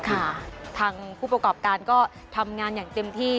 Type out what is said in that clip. ค่ะทางผู้ประกอบการก็ทำงานอย่างเต็มที่